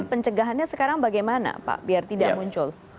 pencegahannya sekarang bagaimana pak biar tidak muncul